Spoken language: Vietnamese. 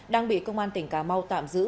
đang bị công an tỉnh cà mau tạm giữ